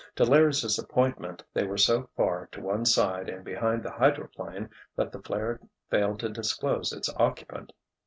To Larry's disappointment, they were so far to one side and behind the hydroplane that the flare failed to disclose its occupant.